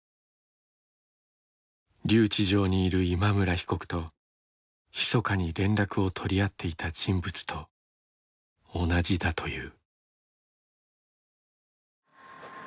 留置場にいる今村被告とひそかに連絡を取り合っていた人物と同じだという。